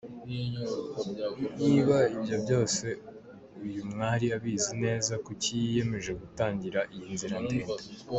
Niba ibyo byose uyu mwari abizi neza, kuki yiyemeje gutangira iyi nzira ndende?